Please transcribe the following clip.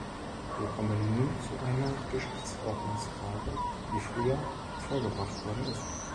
Wir kommen nun zu einer Geschäftsordnungsfrage, die früher vorgebracht worden ist.